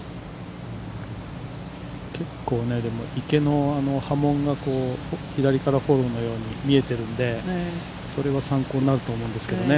結構、池の波紋が左からフォローのように見えているので、それは参考になると思うんですけどね。